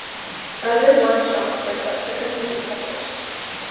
Other one shots were subsequently published.